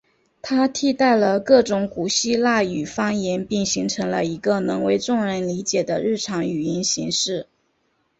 它替代了各种古希腊语方言并形成了一个能为众人理解的日常语言形式。